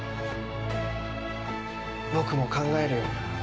僕も考えるよ